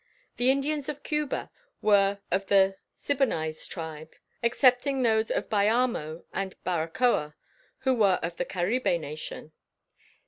The Indians of Cuba were of the Siboneyes tribe, excepting those about Bayamo and Baracoa, who were of the Caribe nation.